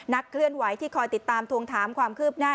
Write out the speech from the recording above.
เคลื่อนไหวที่คอยติดตามทวงถามความคืบหน้า